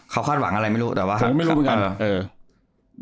เขาคาดหวังอะไรไม่รู้แต่ว่าไม่รู้เหมือนกัน